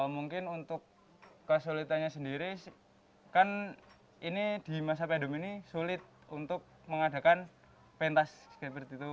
mungkin untuk kesulitannya sendiri kan ini di masa pandemi ini sulit untuk mengadakan pentas seperti itu